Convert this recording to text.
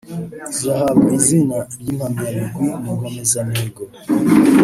zihabwa izina ry’Impamyabigwi mu Nkomezamihigo